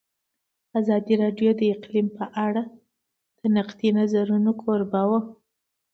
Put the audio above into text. ازادي راډیو د اقلیم په اړه د نقدي نظرونو کوربه وه.